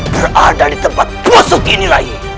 berada di tempat busuk ini rai